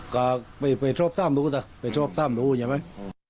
อ๋อก็ไปช้องตามดูก่ะหลังจากซ่อน